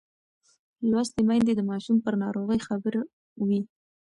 لوستې میندې د ماشوم پر ناروغۍ خبر وي.